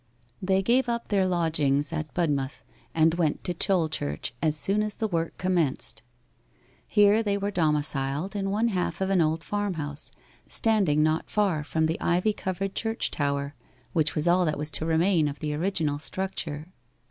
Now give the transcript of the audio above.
They gave up their lodgings at Budmouth, and went to Tolchurch as soon as the work commenced. Here they were domiciled in one half of an old farmhouse, standing not far from the ivy covered church tower (which was all that was to remain of the original structure).